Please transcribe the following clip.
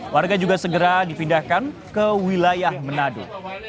warga juga segera dipindahkan ke wilayah manado